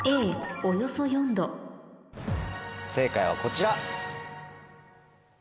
正解はこちら。